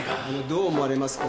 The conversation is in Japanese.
どう思われますか？